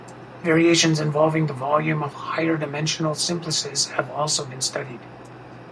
Variations involving the volume of higher-dimensional simplices have also been studied.